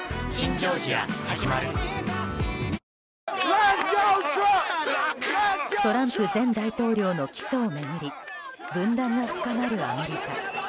「アサヒザ・リッチ」新発売トランプ前大統領の起訴を巡り分断が深まるアメリカ。